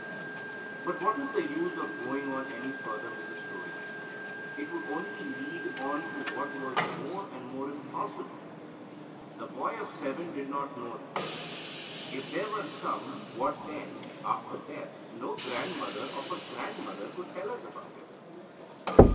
But what is the use of going on any further with the story? It would only lead on to what was more and more impossible. The boy of seven did not know that, if there were some "What then?" after death, no grandmother of a grandmother could tell us all about it.